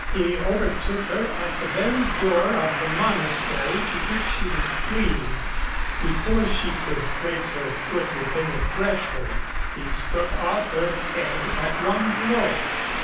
He overtook her at the very door of the monastery to which she was fleeing; before she could place her foot within the threshold he struck off her head at one blow.